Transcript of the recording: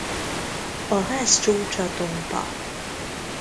A ház csúcsa tompa.